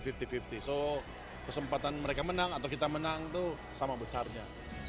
jadi kesempatan mereka menang atau kita menang itu sama besarnya